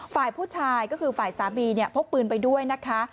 ฝ่ายผู้ชายก็คือฝ่ายสามีเนี่ยพกปืนไปด้วยนะคะ